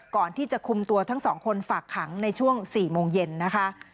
ก่อนที่จะคุมตัวทั้งสองคนฝากขังในช่วง๔โมงเย็นนะคะ